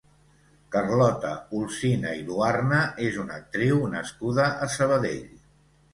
Carlota Olcina i Luarna és una actriu nascuda a Sabadell.